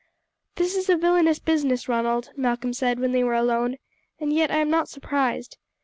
"This is a villainous business, Ronald," Malcolm said when they were alone; "and yet I am not surprised.